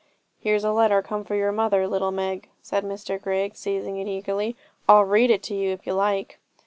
'Here's a letter come for your mother, little Meg,' said Mr Grigg, seizing it eagerly, 'I'll read it to you if you like.'